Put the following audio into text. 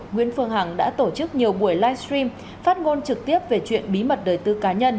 nguyễn phương hằng đã tổ chức nhiều buổi livestream phát ngôn trực tiếp về chuyện bí mật đời tư cá nhân